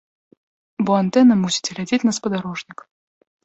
Бо антэна мусіць глядзець на спадарожнік.